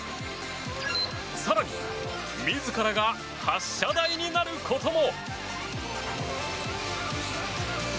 更に、自らが発射台になることも。